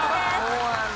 そうなんだ。